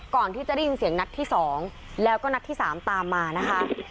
ก่อนที่จะได้ยินเสียงนัดที่๒แล้วก็นัดที่๓ตามมานะคะ